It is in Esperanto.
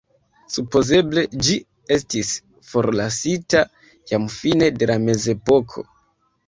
Supozeble ĝi estis forlasita jam fine de la mezepoko.